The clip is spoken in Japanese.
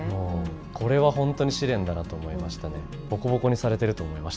これは本当に試練だなと思いましたね。